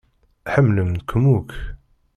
Ḥemmlen-kem akk